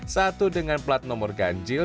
satu dengan plat nomor ganjil